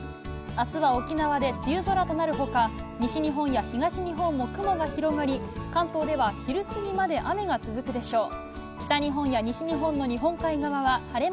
あすは沖縄で梅雨空となるほか、西日本や東日本も雲が広がり、関東では昼過ぎまで雨が続くでしょう。